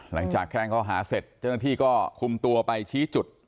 หลังจากแกล้งข้อหาเสร็จเจ้าหน้าที่ก็คุมตัวไปชี้จุด